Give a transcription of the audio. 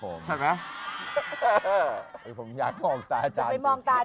เออกูจะไปมองตาอาจารย์ก็มาก